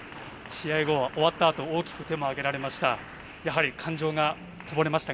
試合後、終わったあと大きく手を上げられました。